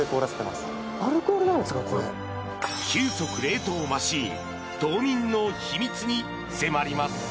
急速冷凍マシーン凍眠の秘密に迫ります。